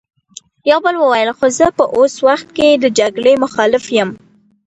يوه بل وويل: خو زه په اوس وخت کې د جګړې مخالف يم!